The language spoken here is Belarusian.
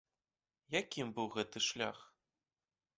Якім быў гэты шлях?